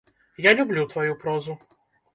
Я люблю тваю прозу.